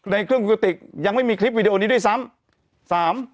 ในเครื่องคุณกระติกยังไม่มีคลิปวิดีโอนี้ด้วยซ้ำ